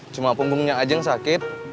cuma punggungnya ajeng sakit